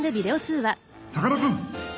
さかなクン。